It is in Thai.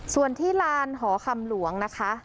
ส่วนที่ลานหอคำหลวงนะคะ